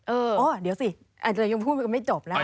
เออเดี๋ยวสิยังพูดไม่จบแล้วค่ะ